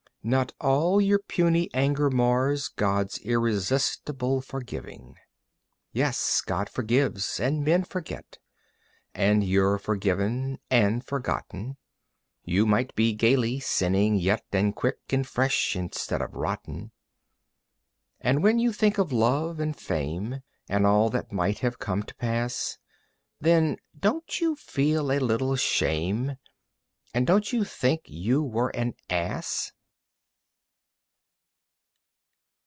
Not all your puny anger mars God's irresistible forgiving. "Yes, God forgives and men forget, And you're forgiven and forgotten. You might be gaily sinning yet And quick and fresh instead of rotten. And when you think of love and fame And all that might have come to pass, Then don't you feel a little shame? And don't you think you were an ass?"